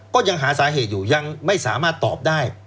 ก็ยังหาสาเหตุอยู่ยังไม่สามารถตอบได้